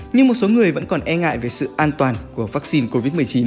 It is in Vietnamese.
nhưng một số người vẫn còn e ngại về sự an toàn của vaccine covid một mươi chín